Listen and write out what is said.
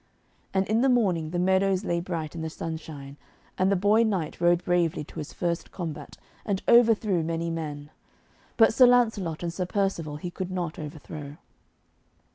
And in the morning the meadows lay bright in the sunshine. And the boy knight rode bravely to his first combat, and overthrew many men; but Sir Lancelot and Sir Percivale he could not overthrow.